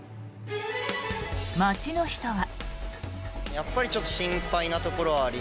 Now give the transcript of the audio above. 街の人は。